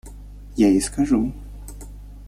– Я ей скажу.